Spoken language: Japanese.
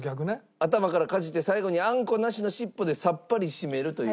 頭からかじって最後にあんこなしの尻尾でさっぱり締めるという。